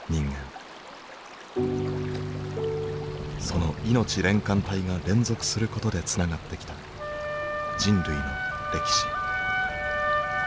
そのいのち連環体が連続することでつながってきた人類の歴史。